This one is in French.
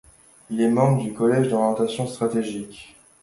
Il est membre du collège d'orientation stratégique.